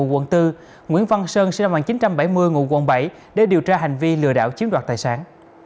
và nguyễn văn sơn để điều tra hành vi lừa đảo chiếm đoạt tài sản